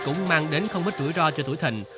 cũng mang đến không ít rủi ro cho tuổi thình